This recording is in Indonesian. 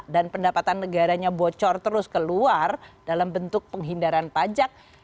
dan pendapatan negaranya bocor terus keluar dalam bentuk penghindaran pajak